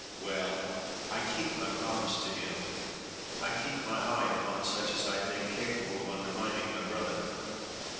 Well, I keep my promise to him I keep my eye upon such as I think capable of undermining my brother.